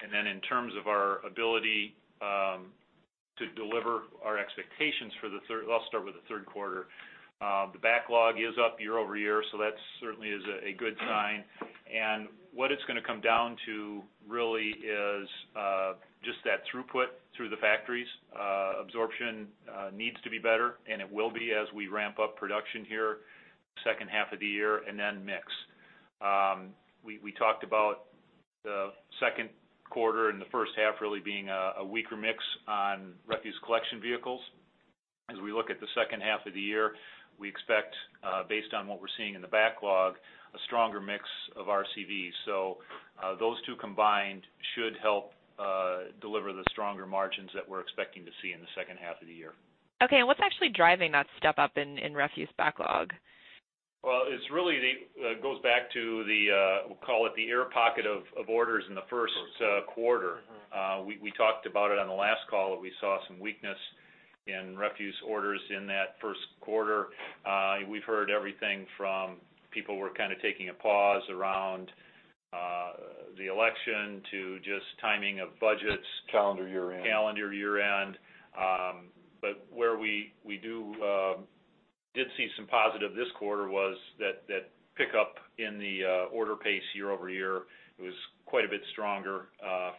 And then in terms of our ability to deliver our expectations for the third... I'll start with the third quarter. The backlog is up year-over-year, so that certainly is a good sign. And what it's gonna come down to really is just that throughput through the factories. Absorption needs to be better, and it will be as we ramp up production here, second half of the year, and then mix. We talked about the second quarter and the first half really being a weaker mix on refuse collection vehicles. As we look at the second half of the year, we expect, based on what we're seeing in the backlog, a stronger mix of RCVs. So, those two combined should help, deliver the stronger margins that we're expecting to see in the second half of the year. Okay, and what's actually driving that step up in refuse backlog? Well, it's really the goes back to the. We'll call it the air pocket of orders in the first quarter. Mm-hmm. We talked about it on the last call, that we saw some weakness in refuse orders in that first quarter. We've heard everything from people were kind of taking a pause around the election to just timing of budgets- Calendar year-end. Calendar year-end. But where we did see some positive this quarter was that pickup in the order pace year-over-year was quite a bit stronger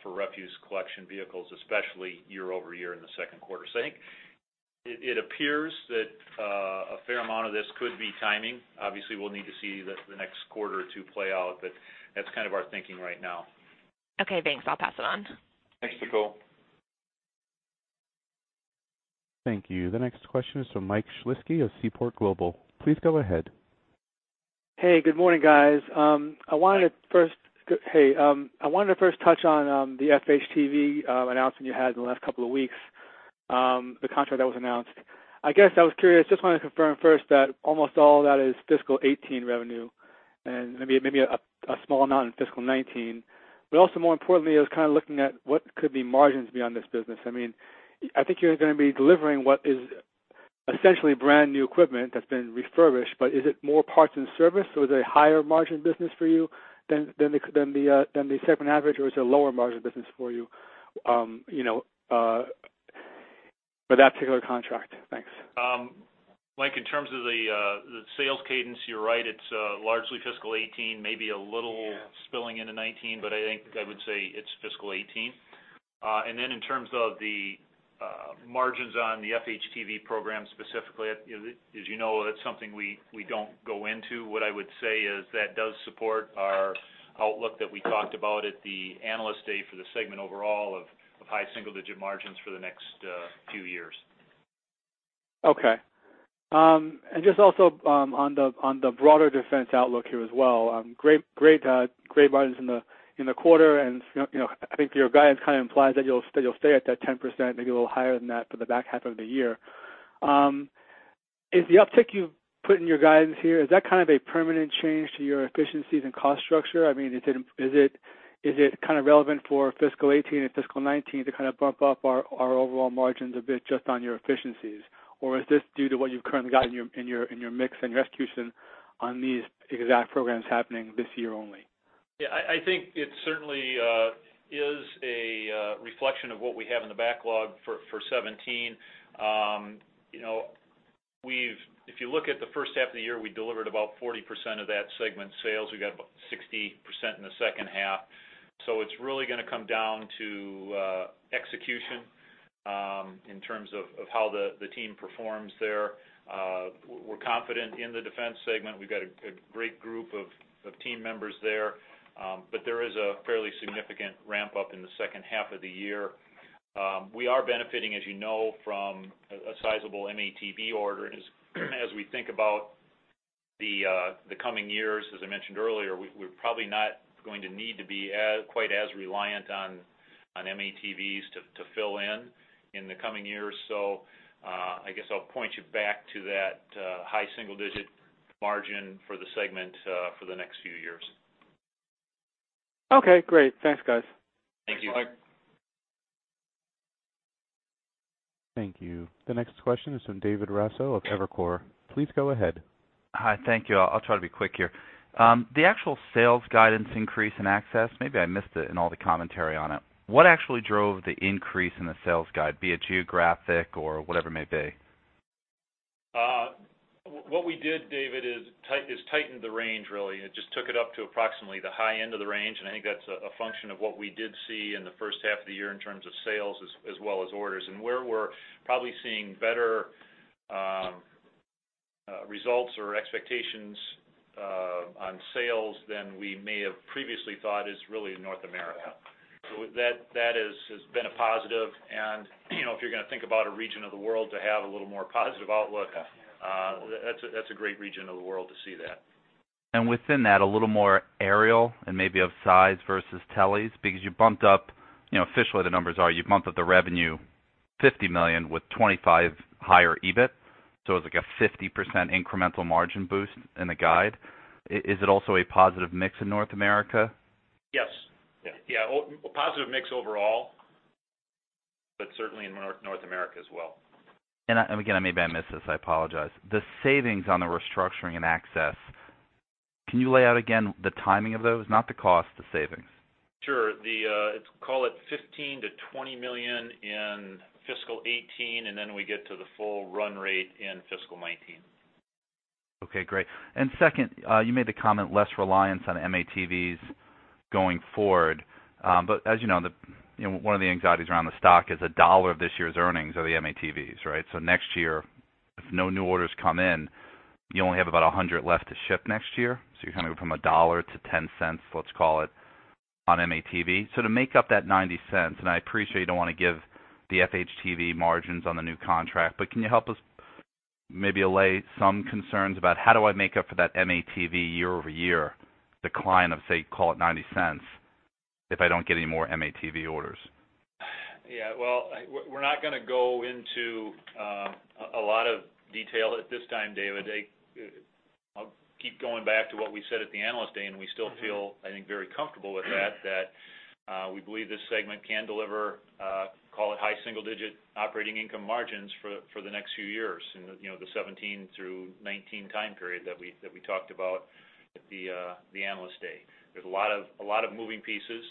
for refuse collection vehicles, especially year-over-year in the second quarter. So I think it appears that a fair amount of this could be timing. Obviously, we'll need to see the next quarter or two play out, but that's kind of our thinking right now. Okay, thanks. I'll pass it on. Thanks, Nicole. Thank you. The next question is from Mike Shlisky of Seaport Global. Please go ahead. Hey, good morning, guys. I wanted to first- Hi. Hey, I wanted to first touch on the FHTV announcement you had in the last couple of weeks, the contract that was announced. I guess I was curious, just wanted to confirm first that almost all of that is fiscal 18 revenue, and maybe a small amount in fiscal 19. But also more importantly, I was kind of looking at what could the margins be on this business? I mean, I think you're gonna be delivering what is essentially brand new equipment that's been refurbished, but is it more parts and service, or is it a higher margin business for you than the segment average, or is it a lower margin business for you? You know, for that particular contract. Thanks. Mike, in terms of the sales cadence, you're right, it's largely fiscal 18, maybe a little- Yeah... spilling into 19, but I think I would say it's fiscal 2018. And then in terms of the margins on the FHTV program, specifically, as you know, that's something we don't go into. What I would say is that does support our outlook that we talked about at the Analyst Day for the segment overall of high single digit margins for the next few years. Okay. And just also, on the, on the broader Defense outlook here as well, great, great, great margins in the, in the quarter, and, you know, I think your guidance kind of implies that you'll stay, you'll stay at that 10%, maybe a little higher than that for the back half of the year. Is the uptick you've put in your guidance here, is that kind of a permanent change to your efficiencies and cost structure? I mean, is it, is it, is it kind of relevant for fiscal 2018 and fiscal 2019 to kind of bump up our, our overall margins a bit just on your efficiencies? Or is this due to what you've currently got in your, in your mix and execution on these exact programs happening this year only? Yeah, I think it certainly is a reflection of what we have in the backlog for 2017. You know, we've. If you look at the first half of the year, we delivered about 40% of that segment's sales. We got about 60% in the second half. So it's really gonna come down to execution in terms of how the team performs there. We're confident in the Defense segment. We've got a great group of team members there, but there is a fairly significant ramp-up in the second half of the year. We are benefiting, as you know, from a sizable M-ATV order. As we think about the coming years, as I mentioned earlier, we're probably not going to need to be as quite as reliant on-... on M-ATVs to fill in in the coming years. So, I guess I'll point you back to that high single-digit margin for the segment for the next few years. Okay, great. Thanks, guys. Thank you. Thanks, Mike. Thank you. The next question is from David Raso of Evercore. Please go ahead. Hi, thank you. I'll try to be quick here. The actual sales guidance increase in Access, maybe I missed it in all the commentary on it. What actually drove the increase in the sales guide, be it geographic or whatever it may be? What we did, David, is tightened the range, really. It just took it up to approximately the high end of the range, and I think that's a function of what we did see in the first half of the year in terms of sales as well as orders. And where we're probably seeing better results or expectations on sales than we may have previously thought is really in North America. So that has been a positive. And, you know, if you're gonna think about a region of the world to have a little more positive outlook, that's a great region of the world to see that. Within that, a little more aerial and maybe of size versus teles? Because you bumped up, you know, officially, the numbers are, you bumped up the revenue $50 million with $25 million higher EBIT, so it's like a 50% incremental margin boost in the guide. Is it also a positive mix in North America? Yes. Yeah. Yeah, a positive mix overall, but certainly in North America as well. And again, maybe I missed this, I apologize. The savings on the restructuring and Access, can you lay out again the timing of those? Not the cost, the savings. Sure. The, call it $15-$20 million in fiscal 2018, and then we get to the full run rate in fiscal 2019. Okay, great. And second, you made the comment, less reliance on M-ATVs going forward. But as you know, you know, one of the anxieties around the stock is $1 of this year's earnings are the M-ATVs, right? So next year, if no new orders come in, you only have about 100 left to ship next year. So you're kind of from $1 to $0.10, let's call it, on M-ATV. So to make up that $0.90, and I appreciate you don't want to give the FHTV margins on the new contract, but can you help us maybe allay some concerns about how do I make up for that M-ATV year-over-year decline of, say, call it $0.90, if I don't get any more M-ATV orders? Yeah, well, we're not gonna go into a lot of detail at this time, David. I'll keep going back to what we said at the Analyst Day, and we still feel, I think, very comfortable with that, we believe this segment can deliver, call it, high single digit operating income margins for the next few years. In the, you know, the 2017 through 2019 time period that we talked about at the Analyst Day. There's a lot of moving pieces,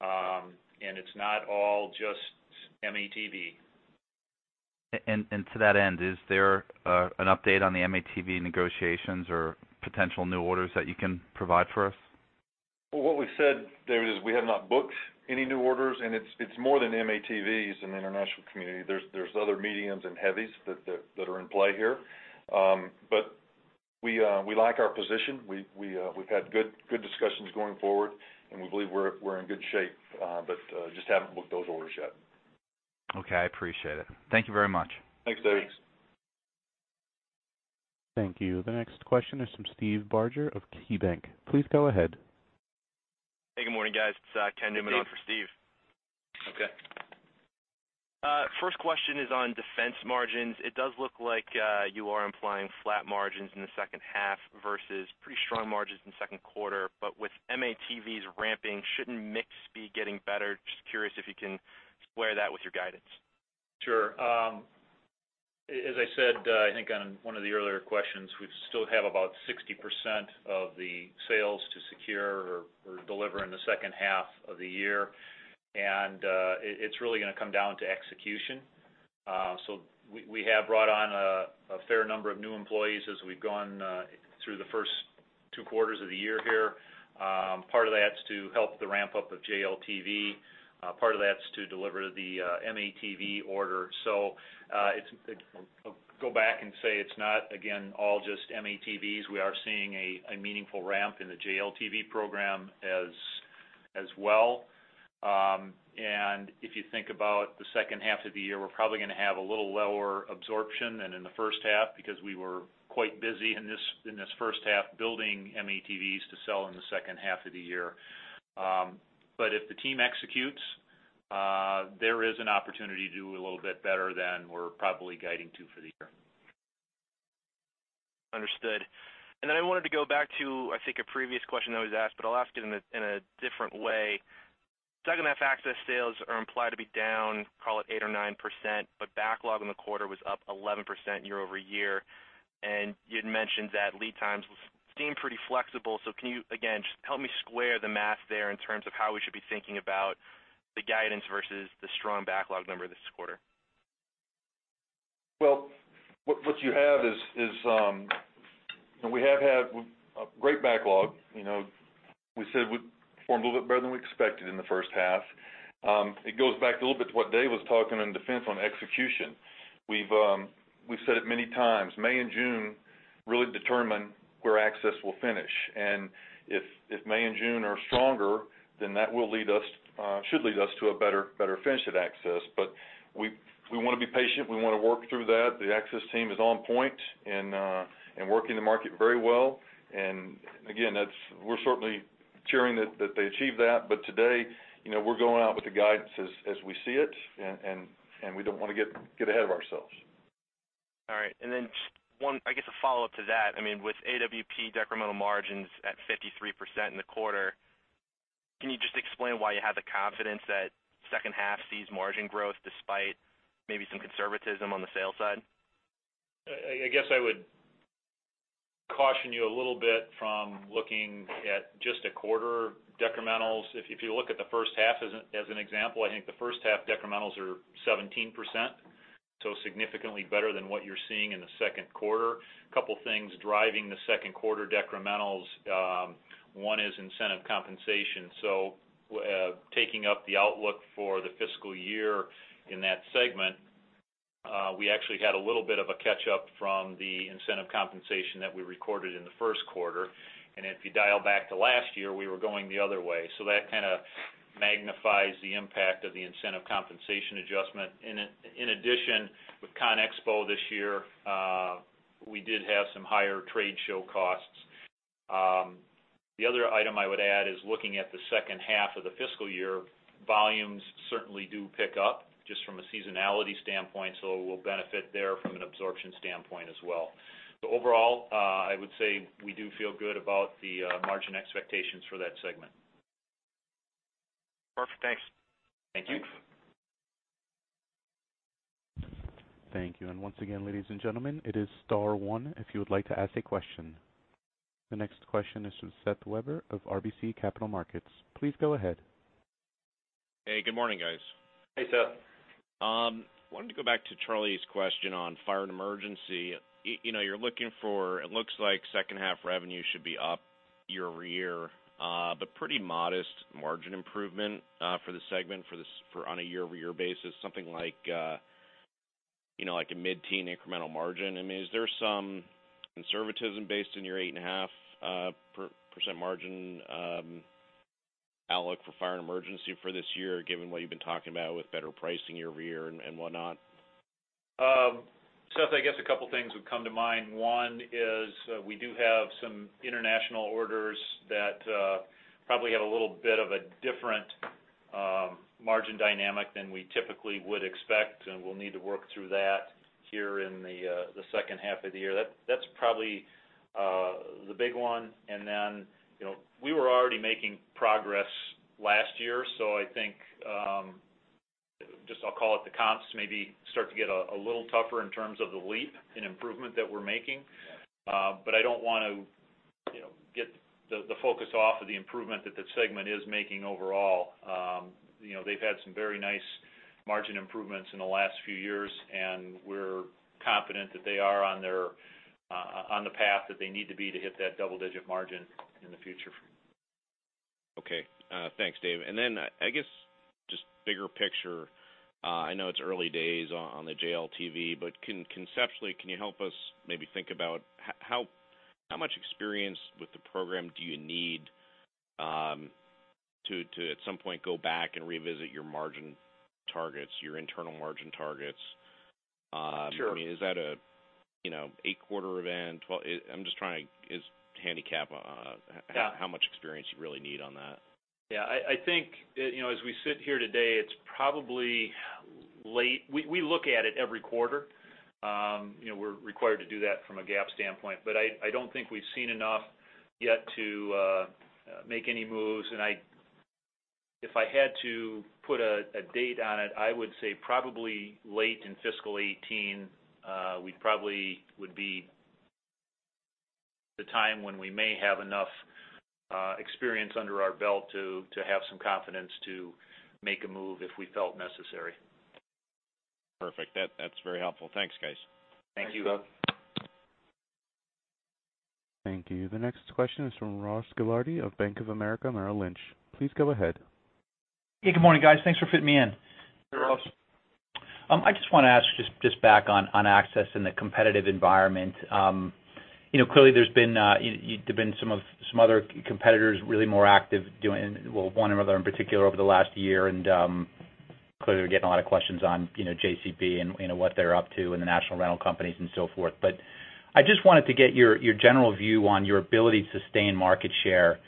and it's not all just M-ATV. And to that end, is there an update on the M-ATV negotiations or potential new orders that you can provide for us? Well, what we said, David, is we have not booked any new orders, and it's more than M-ATVs in the international community. There's other mediums and heavies that are in play here. But we like our position. We've had good discussions going forward, and we believe we're in good shape, but just haven't booked those orders yet. Okay, I appreciate it. Thank you very much. Thanks, David. Thanks. Thank you. The next question is from Steve Barger of KeyBanc. Please go ahead. Hey, good morning, guys. It's Ken Zener for Steve Barger. Okay. First question is on Defense margins. It does look like, you are implying flat margins in the second half versus pretty strong margins in the second quarter. But with M-ATVs ramping, shouldn't mix be getting better? Just curious if you can square that with your guidance. Sure. As I said, I think on one of the earlier questions, we still have about 60% of the sales to secure or, or deliver in the second half of the year. And, it, it's really gonna come down to execution. So we, we have brought on a, a fair number of new employees as we've gone through the first two quarters of the year here. Part of that's to help the ramp-up of JLTV, part of that's to deliver the M-ATV order. It's not, again, all just M-ATVs. We are seeing a, a meaningful ramp in the JLTV program as well. If you think about the second half of the year, we're probably gonna have a little lower absorption than in the first half because we were quite busy in this first half, building M-ATVs to sell in the second half of the year. If the team executes, there is an opportunity to do a little bit better than we're probably guiding to for the year. Understood. And then I wanted to go back to, I think, a previous question that was asked, but I'll ask it in a, in a different way. Second half Access sales are implied to be down, call it, 8% or 9%, but backlog in the quarter was up 11% year-over-year. And you'd mentioned that lead times seem pretty flexible. So can you, again, just help me square the math there in terms of how we should be thinking about the guidance versus the strong backlog number this quarter? Well, what you have is, and we have had a great backlog. You know, we said we performed a little bit better than we expected in the first half. It goes back a little bit to what Dave was talking in Defense on execution. We've said it many times, May and June really determine where Access will finish. And if May and June are stronger, then that will lead us, should lead us to a better finish at Access. But we wanna be patient, we wanna work through that. The Access team is on point and working the market very well. And again, that's we're certainly cheering that they achieve that. But today, you know, we're going out with the guidance as we see it, and we don't wanna get ahead of ourselves. All right. Then just one, I guess, a follow-up to that. I mean, with AWP decremental margins at 53% in the quarter, can you just explain why you have the confidence that second half sees margin growth, despite maybe some conservatism on the sales side? I guess I would caution you a little bit from looking at just a quarter decrementals. If you look at the first half as an example, I think the first half decrementals are 17%, so significantly better than what you're seeing in the second quarter. Couple things driving the second quarter decrementals, one is incentive compensation. So, taking up the outlook for the fiscal year in that segment, we actually had a little bit of a catch-up from the incentive compensation that we recorded in the first quarter. And if you dial back to last year, we were going the other way. So that kind of magnifies the impact of the incentive compensation adjustment. And in addition, with CONEXPO this year, we did have some higher trade show costs. The other item I would add is, looking at the second half of the fiscal year, volumes certainly do pick up, just from a seasonality standpoint, so we'll benefit there from an absorption standpoint as well. So overall, I would say we do feel good about the margin expectations for that segment. Perfect. Thanks. Thank you. Thanks. Thank you. Once again, ladies and gentlemen, it is star one if you would like to ask a question. The next question is from Seth Weber of RBC Capital Markets. Please go ahead. Hey, good morning, guys. Hey, Seth. Wanted to go back to Charlie's question on Fire & Emergency. You know, you're looking for-- it looks like second half revenue should be up year-over-year, but pretty modest margin improvement, for the segment for this, for on a year-over-year basis, something like, you know, like a mid-teen incremental margin. I mean, is there some conservatism based on your 8.5, percent margin, outlook for Fire & Emergency for this year, given what you've been talking about with better pricing year-over-year and, and whatnot? Seth, I guess a couple things would come to mind. One is, we do have some international orders that, probably have a little bit of a different, margin dynamic than we typically would expect, and we'll need to work through that here in the, the second half of the year. That's probably, the big one. And then, you know, we were already making progress last year, so I think, just I'll call it the comps, maybe start to get a, a little tougher in terms of the leap and improvement that we're making. But I don't want to, you know, get the, the focus off of the improvement that the segment is making overall. You know, they've had some very nice margin improvements in the last few years, and we're confident that they are on their, on the path that they need to be to hit that double-digit margin in the future. Okay. Thanks, Dave. And then, I guess, just bigger picture, I know it's early days on the JLTV, but conceptually, can you help us maybe think about how much experience with the program do you need to at some point, go back and revisit your margin targets, your internal margin targets? Sure. I mean, is that a, you know, eight-quarter event? I'm just trying to just handicap on- Yeah... how much experience you really need on that. Yeah, I think, you know, as we sit here today, it's probably late... We look at it every quarter. You know, we're required to do that from a GAAP standpoint, but I don't think we've seen enough yet to make any moves. And if I had to put a date on it, I would say probably late in fiscal 2018, we'd probably be the time when we may have enough experience under our belt to have some confidence to make a move if we felt necessary. Perfect. That, that's very helpful. Thanks, guys. Thank you. Thanks, Seth. Thank you. The next question is from Ross Gilardi of Bank of America Merrill Lynch. Please go ahead. Hey, good morning, guys. Thanks for fitting me in. Hey, Ross. I just want to ask, just back on Access and the competitive environment. You know, clearly, there've been some of, some other competitors really more active doing, well, one another, in particular, over the last year. Clearly, we're getting a lot of questions on, you know, JCB and, you know, what they're up to in the national rental companies and so forth. But I just wanted to get your general view on your ability to sustain market share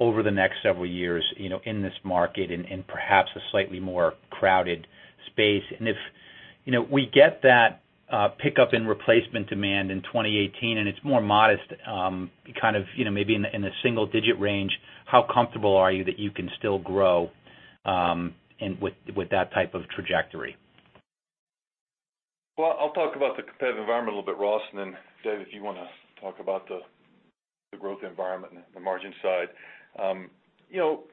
over the next several years, you know, in this market and perhaps a slightly more crowded space. If, you know, we get that pickup in replacement demand in 2018, and it's more modest, kind of, you know, maybe in a single-digit range, how comfortable are you that you can still grow, and with that type of trajectory? Well, I'll talk about the competitive environment a little bit, Ross, and then Dave, if you wanna talk about the growth environment and the margin side. You know,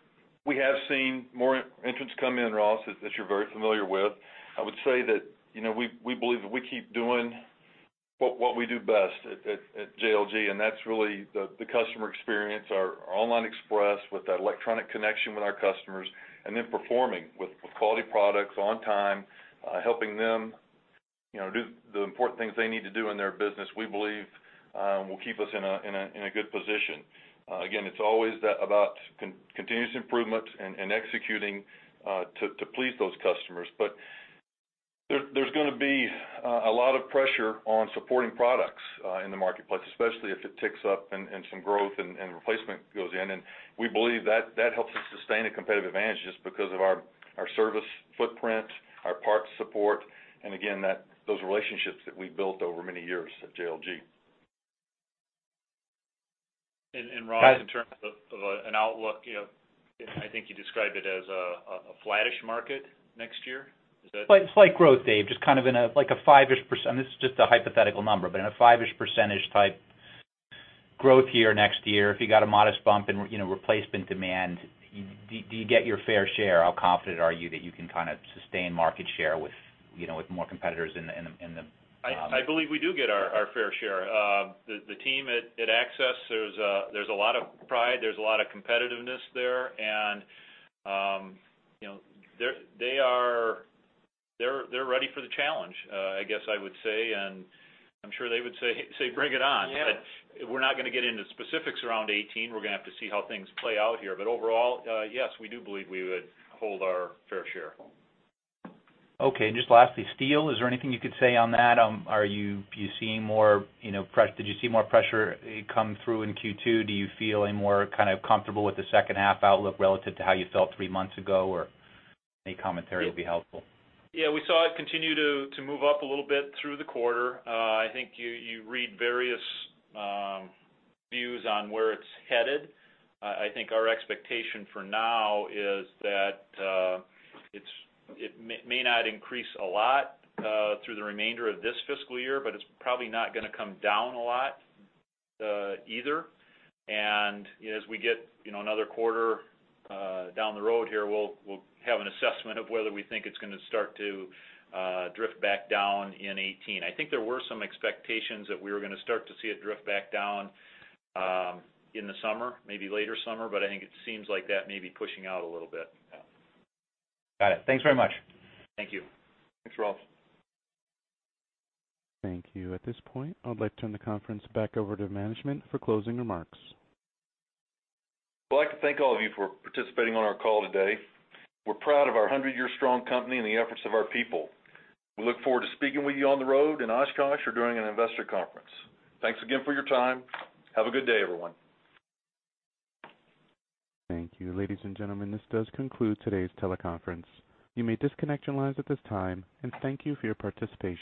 we have seen more entrants come in, Ross, that you're very familiar with. I would say that, you know, we believe that we keep doing what we do best at JLG, and that's really the customer experience, our Online Express with that electronic connection with our customers, and then performing with quality products on time, helping them, you know, do the important things they need to do in their business, we believe will keep us in a good position. Again, it's always about continuous improvement and executing to please those customers. But there, there's gonna be a lot of pressure on supporting products in the marketplace, especially if it ticks up and some growth and replacement goes in. And we believe that helps us sustain a competitive advantage just because of our service footprint, our parts support, and again, those relationships that we've built over many years at JLG. Ross, in terms of an outlook, you know, I think you described it as a flattish market next year, is that- Slight, slight growth, Dave. Just kind of in a, like a 5%-ish. This is just a hypothetical number, but in a 5%-ish percentage type growth year, next year, if you got a modest bump in, you know, replacement demand, do you get your fair share? How confident are you that you can kind of sustain market share with, you know, with more competitors in the, I believe we do get our fair share. The team at Access, there's a lot of pride, there's a lot of competitiveness there, and you know, they are ready for the challenge, I guess I would say, and I'm sure they would say, "Bring it on. Yeah. We're not gonna get into specifics around 2018. We're gonna have to see how things play out here. Overall, yes, we do believe we would hold our fair share. Okay, and just lastly, steel. Is there anything you could say on that? Are you seeing more, you know, pressure? Did you see more pressure come through in Q2? Do you feel any more kind of comfortable with the second half outlook, relative to how you felt three months ago, or any commentary would be helpful? Yeah, we saw it continue to move up a little bit through the quarter. I think you read various views on where it's headed. I think our expectation for now is that it may not increase a lot through the remainder of this fiscal year, but it's probably not gonna come down a lot, either. And as we get, you know, another quarter down the road here, we'll have an assessment of whether we think it's gonna start to drift back down in 2018. I think there were some expectations that we were gonna start to see it drift back down in the summer, maybe later summer, but I think it seems like that may be pushing out a little bit, yeah. Got it. Thanks very much. Thank you. Thanks, Ralph. Thank you. At this point, I would like to turn the conference back over to management for closing remarks. We'd like to thank all of you for participating on our call today. We're proud of our 100-year strong company and the efforts of our people. We look forward to speaking with you on the road, in Oshkosh, or during an investor conference. Thanks again for your time. Have a good day, everyone. Thank you. Ladies and gentlemen, this does conclude today's teleconference. You may disconnect your lines at this time, and thank you for your participation.